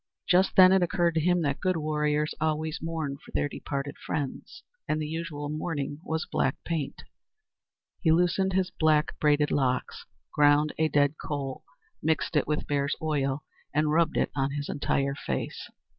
Just then it occurred to him that good warriors always mourn for their departed friends, and the usual mourning was black paint. He loosened his black braided locks, ground a dead coal, mixed it with bear's oil and rubbed it on his entire face.